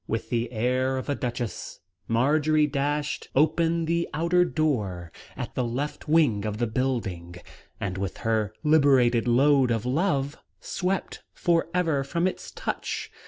With the air of a duchess, Marjory dashed open the outer door, at the left wing of the building, and, with her liberated load of love, swept for ever from its touch.